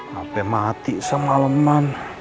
sampai mati semaleman